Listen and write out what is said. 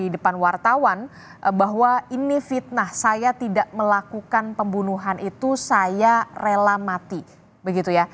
dan wartawan bahwa ini fitnah saya tidak melakukan pembunuhan itu saya rela mati begitu ya